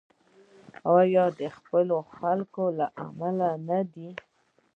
آیا د خپلو خلکو له امله نه دی؟